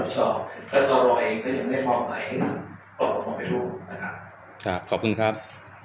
สวัสดีครับ